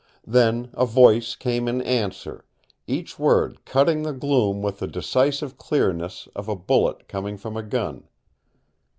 Then a voice came in answer, each word cutting the gloom with the decisive clearness of a bullet coming from a gun.